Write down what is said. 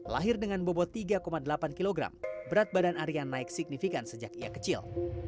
lahir dengan bobot tiga delapan kg berat badan arya naik signifikan sejak ia kecil